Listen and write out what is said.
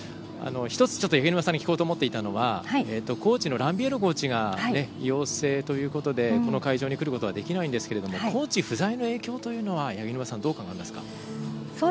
１つ、ちょっと八木沼さんに聞こうと思っていたのはコーチのランビエールコーチが陽性ということでこの会場に来ることができないんですけどコーチ不在の影響というのはどう思いますか。